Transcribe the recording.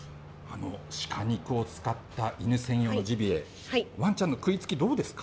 鹿肉を使った犬専用のジビエワンちゃんの食いつきはどうですか？